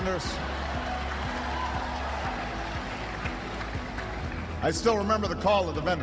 saya masih ingat panggilan pembawa jalanan